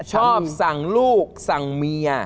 ชอบสั่งลูกสั่งเมีย